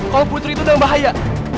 kalau putri itu udah bahaya